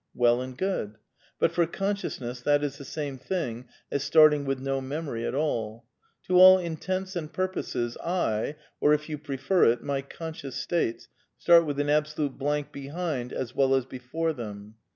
Well and good. But for conscious v ness that is the same thing as starting with no memory ar^ all. To all intents and purposes, I, or if you prefer it, my conscious states, start with an absolute blank behind as well as before them.